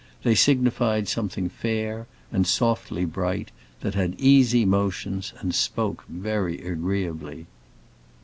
They signified something fair and softly bright, that had easy motions and spoke very agreeably.